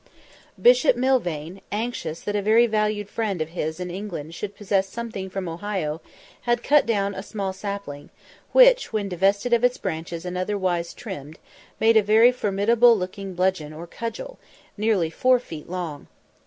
Bishop M'Ilvaine, anxious that a very valued friend of his in England should possess something from Ohio, had cut down a small sapling, which, when divested of its branches and otherwise trimmed, made a very formidable looking bludgeon or cudgel, nearly four feet long.